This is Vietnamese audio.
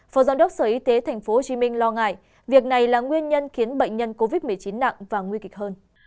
phó giám đốc sở y tế tp hcm lo ngại việc này là nguyên nhân khiến bệnh nhân covid một mươi chín nặng và nguy kịch hơn